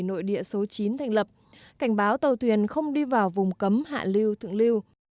nội địa số chín thành lập cảnh báo tàu thuyền không đi vào vùng cấm hạ lưu thượng lưu